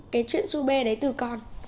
cái chuyện su bê đấy từ con